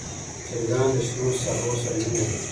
چرګان د شنو ساحو سره مینه لري.